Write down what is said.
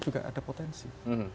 juga ada potensi